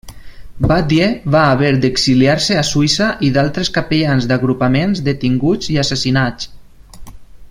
Batlle va haver d'exiliar-se a Suïssa i d'altres capellans d'agrupaments detinguts i assassinats.